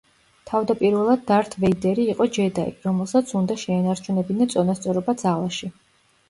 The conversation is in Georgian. თავდაპირველად დართ ვეიდერი იყო ჯედაი, რომელსაც უნდა შეენარჩუნებინა წონასწორობა ძალაში.